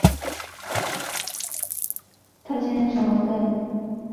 他现在生活在当时临时政府安排的龙树宫。